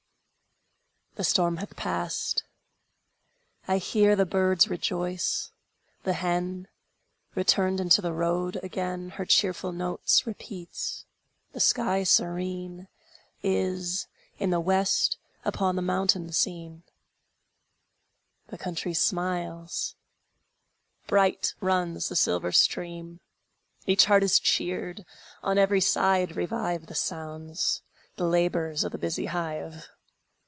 The storm hath passed; I hear the birds rejoice; the hen, Returned into the road again, Her cheerful notes repeats. The sky serene Is, in the west, upon the mountain seen: The country smiles; bright runs the silver stream. Each heart is cheered; on every side revive The sounds, the labors of the busy hive.